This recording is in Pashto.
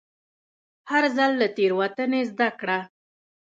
هر ځل له تېروتنې زده کړه.